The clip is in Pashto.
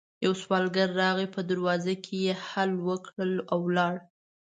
يو سوالګر راغی، په دروازه کې يې هل وکړ او ولاړ.